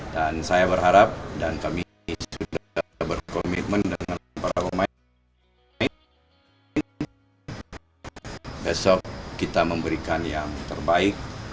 dan saya berharap dan kami sudah berkomitmen dengan para pemain besok kita memberikan yang terbaik